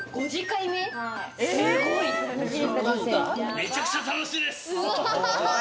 めちゃくちゃ楽しいです。